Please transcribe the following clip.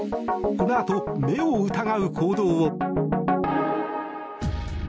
このあと目を疑う行動を。